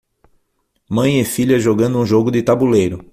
Mãe e filha jogando um jogo de tabuleiro